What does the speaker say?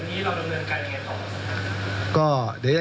แล้วจากนี้เราจะเงินกายยังไงต่อ